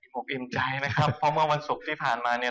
ผมอิ่มใจนะครับเพราะเมื่อวันศุกร์ที่ผ่านมาเนี่ย